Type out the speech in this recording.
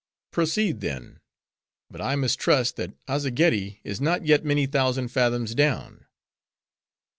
"Proceed then; but I mistrust that Azzageddi is not yet many thousand fathoms down."